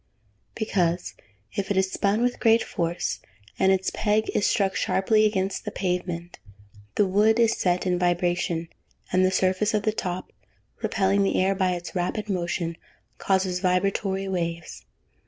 _ Because, if it is spun with great force, and its peg is struck sharply against the pavement, the wood is set in vibration, and the surface of the top, repelling the air by its rapid motion, causes vibratory waves.